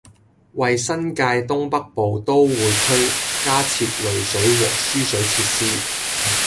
為新界東北部都會區加設濾水和輸水設施